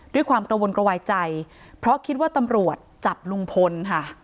ด้วยความกระวนกระวายใจเพราะคิดว่าตำรวจจับลุงพลค่ะ